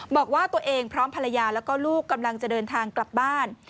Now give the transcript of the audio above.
บอกว่าตัวเองพร้อมภรรยาแล้วก็ลูกกำลังจะเดินทางกลับบ้าน